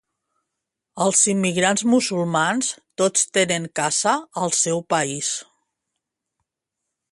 Els immigrants musulmans tots tenen casa al seu país